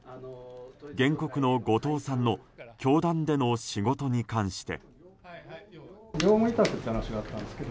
原告の後藤さんの教団での仕事に関して。